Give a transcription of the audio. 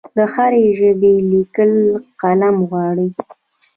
د هرې ژبې لیکل قلم غواړي.